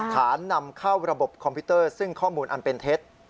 นำเข้าระบบคอมพิวเตอร์ซึ่งข้อมูลอันเป็นเท็จ